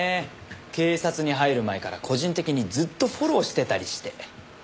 警察に入る前から個人的にずっとフォローしてたりして。